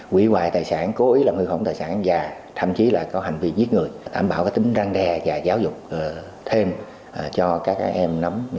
quỷ hoài tài sản cố ý làm hư hổng tài sản và thậm chí là có hành vi giết người tảm bảo tính răng đe và giáo dục thêm cho các em nắm